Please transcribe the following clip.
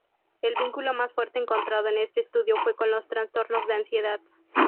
El vínculo más fuerte encontrado en este estudio fue con los trastornos de ansiedad.